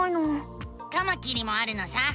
カマキリもあるのさ！